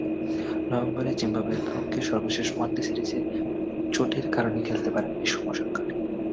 নভেম্বরে জিম্বাবুয়ের বিপক্ষে সর্বশেষ ওয়ানডে সিরিজে চোটের কারণে খেলতে পারেননি সৌম্য সরকার।